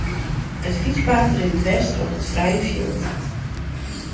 It fytspaad rint dwers troch it frije fjild.